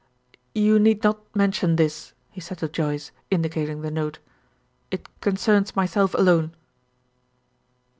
"You need not mention this," he said to Joyce, indicating the note. "It concerns myself alone."